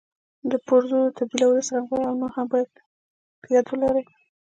د پرزو د تبدیلولو څرنګوالي او نور هم باید په یاد ولري.